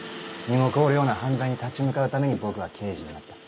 身も凍るような犯罪に立ち向かうために僕は刑事になった。